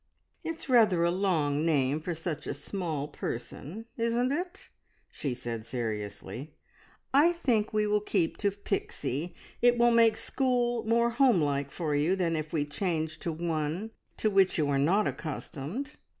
"It's rather a long name for such a small person, isn't it?" she said seriously. "I think we will keep to Pixie. It will make school more home like for you, than if we changed to one to which you are not accustomed."